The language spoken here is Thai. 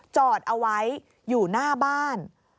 จอดเอาไว้อยู่หน้าบ้าน